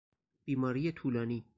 بیماری طولانی